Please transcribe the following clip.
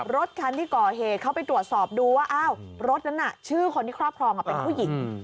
รถคันที่ก่อเหตุเขาไปตรวจสอบดูว่าอ้าวรถนั้นน่ะชื่อคนที่ครอบครองเป็นผู้หญิง